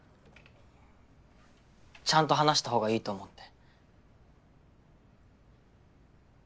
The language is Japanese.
ちゃんと話した方がいいと思って。